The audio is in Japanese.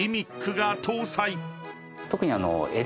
特に。